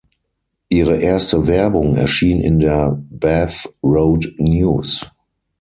Ihre erste Werbung erschien in der „Bath Road News“.